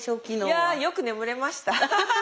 いやよく眠れました！